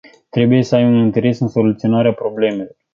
Trebuie să ai un interes în soluționarea problemelor.